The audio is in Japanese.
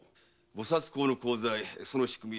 菩薩講の功罪その仕組み